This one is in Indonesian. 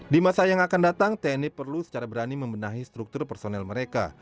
di masa yang akan datang tni perlu secara berani membenahi struktur personel mereka